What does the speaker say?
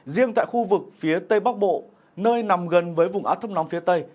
riêng tại khu vực phía tây bắc bộ nơi nằm gần với vùng áp thấp nóng phía tây